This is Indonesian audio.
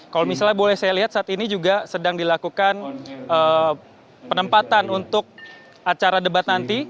kalau misalnya boleh saya lihat saat ini juga sedang dilakukan penempatan untuk acara debat nanti